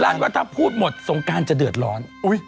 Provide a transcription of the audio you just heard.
ว่าถ้าพูดหมดสงการจะเดือดร้อน